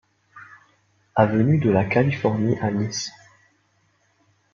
Avenue de la Californie à Nice